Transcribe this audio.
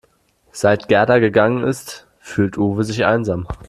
Seit Gerda gegangen ist, fühlt Uwe sich einsam.